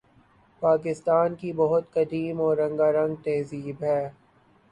پاکستان کی بہت قدیم اور رنگارنگ تہذیب ہے